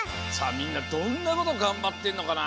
みんなどんなことがんばってんのかなあ？